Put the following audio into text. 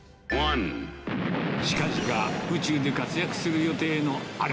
近々、宇宙で活躍する予定のあれ。